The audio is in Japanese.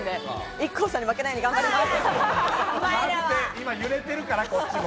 ＩＫＫＯさんに負けないように頑張ります。